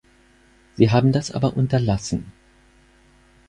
Sie haben das aber unterlassen.